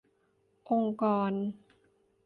องค์กร